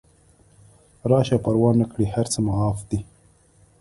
راشه پروا نکړي هر څه معاف دي